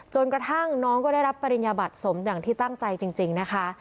จนกระทั่งน้องก็ได้รับปริญญาบัตรสมอย่างที่ตั้งใจจริงนะคะ